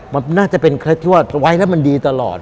มันน่าจะเป็นเคล็ดที่ว่าไว้แล้วมันดีตลอด